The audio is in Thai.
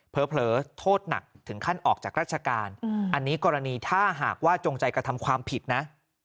เผลอโทษหนักถึงขั้นออกจากราชการอันนี้กรณีถ้าหากว่าจงใจกระทำความผิดนะ